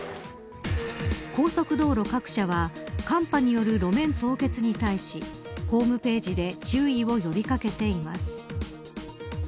高速道路各社は寒波による路面凍結に対しホームページで注意を呼び掛けています。